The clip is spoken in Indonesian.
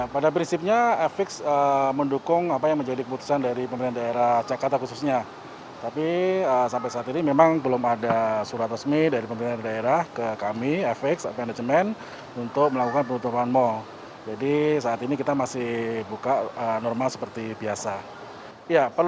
pada prinsipnya fx mendukung apa yang menjadi keputusan dari pemerintah daerah jakarta khususnya